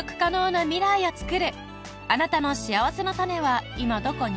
あなたのしあわせのたねは今どこに？